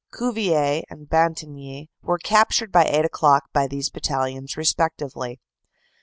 Cuvillers and Bantigny were captured by eight o clock by these battalions respectively.